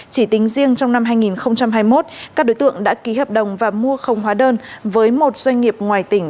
chỉ tính riêng trong năm hai nghìn hai mươi một các đối tượng đã ký hợp đồng và mua không hóa đơn với một doanh nghiệp ngoài tỉnh